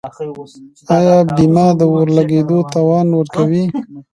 آیا بیمه د اور لګیدو تاوان ورکوي؟